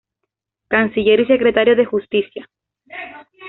Canciller y secretario de Justicia.